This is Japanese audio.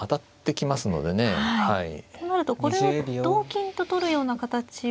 となるとこれは同金と取るような形は。